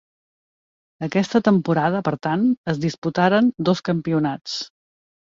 Aquesta temporada, per tant, es disputaren dos campionats.